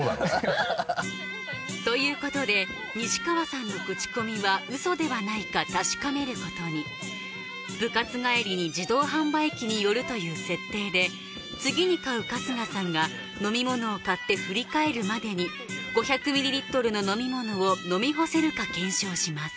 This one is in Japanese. ハハハ ということで西川さんのクチコミはウソではないか確かめることに部活帰りに自動販売機に寄るという設定で次に買う春日さんが飲み物を買って振り返るまでに５００ミリリットルの飲み物を飲み干せるか検証します